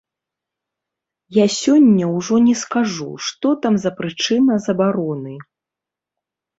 Я сёння ўжо не скажу, што там за прычына забароны.